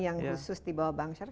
yang khusus dibawa bank syariah